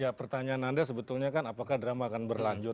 ya pertanyaan anda sebetulnya kan apakah drama akan berlanjut